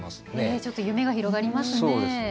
ちょっと夢が広がりますね。